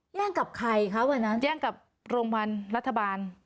กับใครคะวันนั้นแย่งกับโรงพยาบาลรัฐบาล